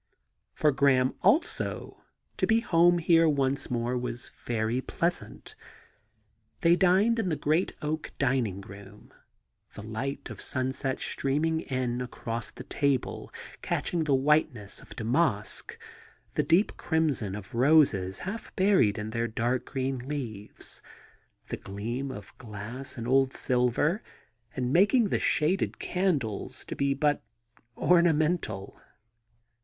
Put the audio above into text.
67 THE GARDEN GOD For Graham, also, to be home here once more was very pleasant They dined in the great oak dining room — the light of sunset streaming in across the table, catching the whiteness of damask, the deep crimson of roses half buried in their dark green leaves, the gleam of glass and old silver, and making the shaded candles to be but ornamental.